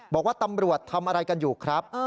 บอกว่าตำรวจทำอะไรกันอยู่ครับ